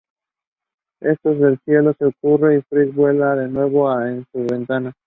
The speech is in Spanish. Entonces el cielo se oscurece, y Feist vuela de nuevo en su ventana.